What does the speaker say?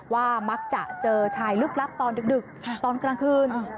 ว่ามักจะเจอชายลึกลับตอนดึกตอนกลางคืน